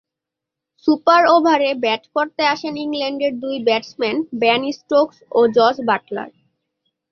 Super ওভারে bat করতে আসেন ইংল্যান্ডের দুই ব্যাটসম্যান বেন স্টোকস ও জস বাটলার।